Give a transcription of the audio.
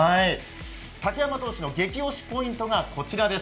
竹山投手の激推しポイントがこちらです。